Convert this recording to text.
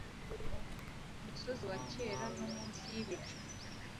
umusozi wa kera, no munsi yibicu